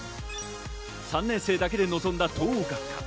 ３年生だけで臨んだ東桜学館。